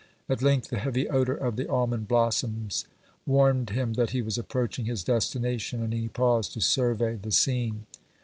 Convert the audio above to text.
At length the heavy odor of the almond blossoms warned him that he was approaching his destination, and he paused to survey the scene.